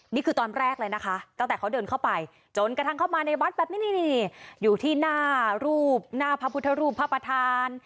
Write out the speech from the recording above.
นี่คือตอนแรกเลยนะคะตั้งแต่เขาเดินเข้าไปจนกระทั่งเข้ามาในวัดแบบนี้นี่อยู่ที่หน้ารูปหน้าพระพุทธรูปพระประธาน